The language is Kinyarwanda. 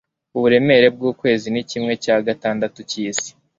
uburemere bwukwezi ni kimwe cya gatandatu cyisi